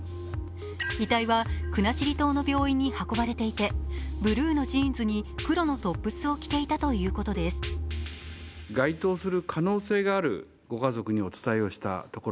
遺体は国後島の病院に運ばれていてブルーのジーンズに黒のトップスを着ていたということです。